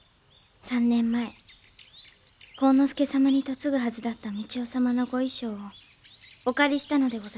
３年前晃之助様に嫁ぐはずだった三千代様のご衣装をお借りしたのでございます。